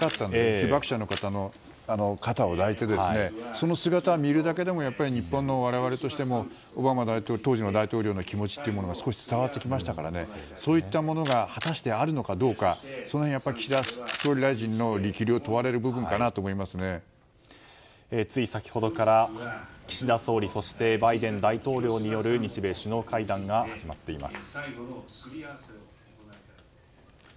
被爆者の肩を抱いてその姿を見るだけでも日本の我々としても当時のオバマ大統領の気持ちが伝わってきましたからそういったものが果たしてあるのかどうかその辺、岸田総理大臣の力量が問われる部分かなとつい先ほどから岸田総理バイデン大統領による日米首脳会談が始まっています。